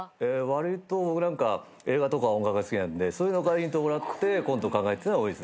わりと僕なんか映画とか音楽が好きなんでそういうのからヒントもらってコント考えるってのが多いです。